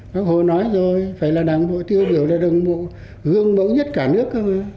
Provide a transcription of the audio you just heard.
các hồ nói rồi phải là đảng bộ tiêu biểu là đảng bộ gương mẫu nhất cả nước